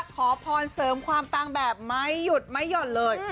ขอพรเสริมความปังแบบไม่หยุดไม่หย่อนเลย